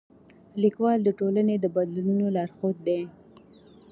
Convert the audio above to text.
لیکوال د ټولنې د بدلونونو لارښود دی.